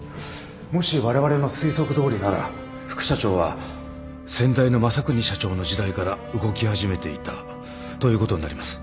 もしわれわれの推測どおりなら副社長は先代の匡邦社長の時代から動き始めていたということになります。